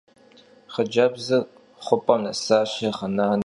Xhıcebzır xhup'em nesaşi ğınaneu şısş.